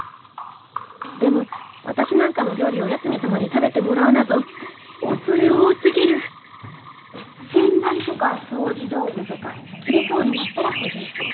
でも私なんかの料理を八海サマに食べてもらうなぞ恐れ多すぎる洗剤とか掃除道具とか切れそうになったら補充する。